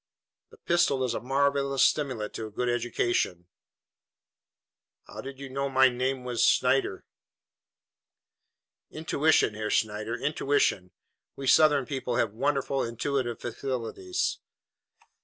"This pistol is a marvelous stimulant to a good education." "How did you know mein name vas Schneider?" "Intuition, Herr Schneider! Intuition! We Southern people have wonderful intuitive faculties."